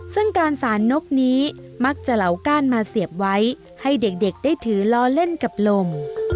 ซึ่งการสารนกนี้มักจะเหลาก้านมาเสียบไว้ให้เด็กได้ถือล้อเล่นกับลม